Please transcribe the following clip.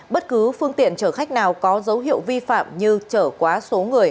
bất cứ phương tiện chở khách nào có dấu hiệu vi phạm như chở quá số người